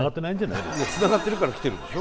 いやつながってるから来てるんでしょ？